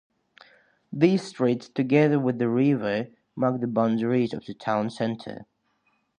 These streets, together with the river, mark the boundaries of the town center.